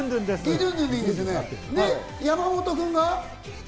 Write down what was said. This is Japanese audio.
で、山本君が？